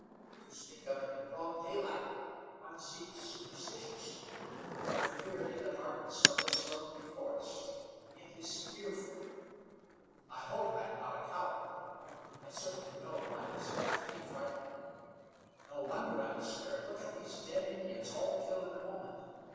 To speak of it in broad daylight one seems superstitious, but to hear it in the darkness of this lonely forest, it is fearful! I hope I am not a coward; I certainly know I was deathly frightened. No wonder I was scared! Look at these dead Indians, all killed in a moment.